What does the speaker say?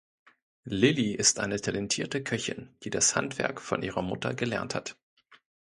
Lilli ist eine talentierte Köchin, die das Handwerk von ihrer Mutter gelernt hat.